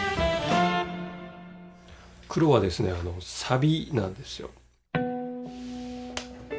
黒はですねさびなんですよ。